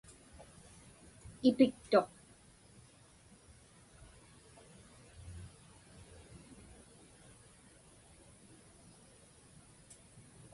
Ipiktuq.